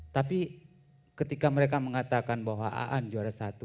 tapi ketika mereka mengatakan bahwa aan juara satu